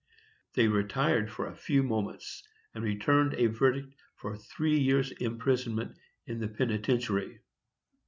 They retired for a few moments, and returned a verdict for three years imprisonment in the penitentiary.